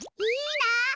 いいなあ！